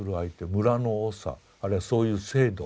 村のおさあるいはそういう制度